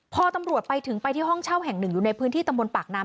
พอตำรวจไปถึงไปที่ห้องเช่าแห่งหนึ่งอยู่ในพื้นที่ตำบลปากน้ำ